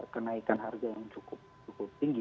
kenaikan harga yang cukup tinggi